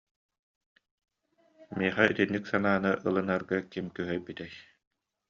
Миэхэ итинник санааны ылынарга ким күһэйбитэй